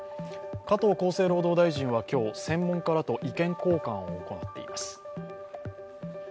加藤厚生労働大臣は今日専門家らと意見交換を行っています。